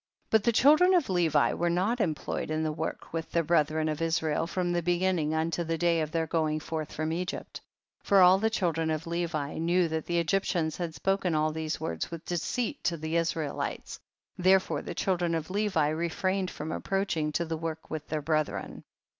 32. But the children of Levi were not employed in the work with their brethren of Israel, from the beginning unto the day of their going forth from Egypt. 33. For all the children of Levi knew that the Egyptians had spoken all these words with deceit to the Israelites, therefore the children of Levi refrained from approaching to the work with their brethren.